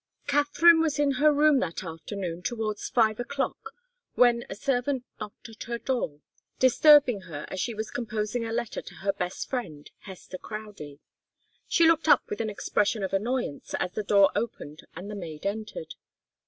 Katharine was in her room that afternoon towards five o'clock, when a servant knocked at her door, disturbing her as she was composing a letter to her best friend, Hester Crowdie. She looked up with an expression of annoyance as the door opened and the maid entered.